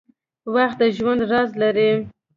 • وخت د ژوند راز لري.